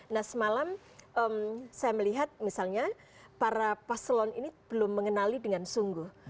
nah semalam saya melihat misalnya para paslon ini belum mengenali dengan sungguh